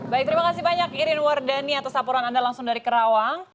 baik terima kasih banyak irin wardani atas laporan anda langsung dari kerawang